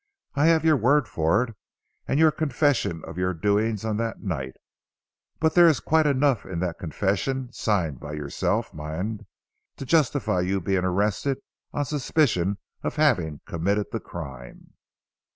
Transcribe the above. "I have your word for it, and your confession of your doings on that night. But there is quite enough in that confession signed by yourself, mind to justify your being arrested on suspicion of having committed the crime.